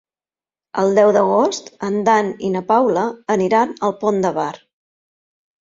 El deu d'agost en Dan i na Paula aniran al Pont de Bar.